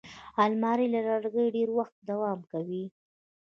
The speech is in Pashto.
الماري له لرګي ډېر وخت دوام کوي